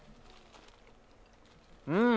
うん！